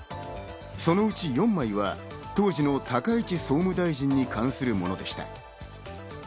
そのうち４枚は、当時の高市総務大臣に関するものでした。